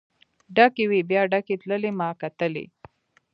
ډکې وې بیا ډکې تللې ما کتلی.